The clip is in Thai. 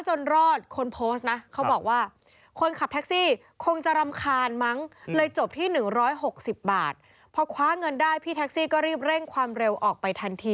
หรอคะรำคาญได้ด้วยเหรอคะ